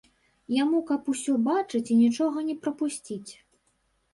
Яму каб усё бачыць і нічога не прапусціць.